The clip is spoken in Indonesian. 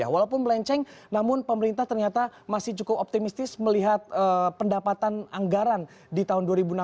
walaupun melenceng namun pemerintah ternyata masih cukup optimistis melihat pendapatan anggaran di tahun dua ribu enam belas